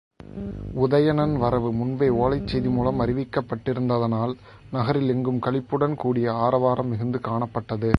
உதயணன் வரவு முன்பே ஒலைச் செய்தி மூலம் அறிவிக்கப்பட்டிருந்ததனால், நகரில் எங்கும் களிப்புடன் கூடிய ஆரவாரம் மிகுந்து காணப்பட்டது.